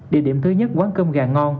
địa điểm thứ nhất quán cơm gà ngon